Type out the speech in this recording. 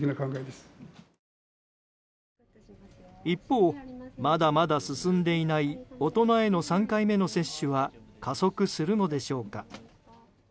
一方まだまだ進んでいない大人への３回目の接種は加速するのでしょうか。